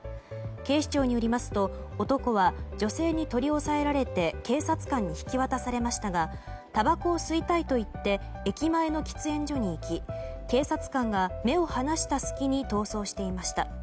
警視庁によりますと男は女性に取り押さえられて警察官に引き渡されましたがたばこを吸いたいと言って駅前の喫煙所に行き警察官が目を離した隙に逃走していました。